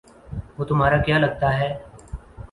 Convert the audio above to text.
وہ تمہارا کیا لگتا ہے